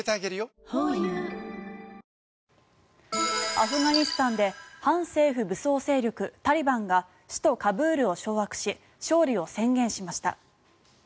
アフガニスタンで反政府武力勢力タリバンが首都カブールを掌握し勝利を宣言しました。